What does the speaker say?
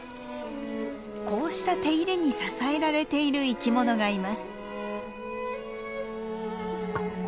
こうした手入れに支えられている生き物がいます。